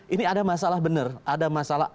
ini ada masalah benar ada masalah